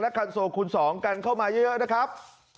และคันโซคุณสองกันเข้ามาเยอะนะครับ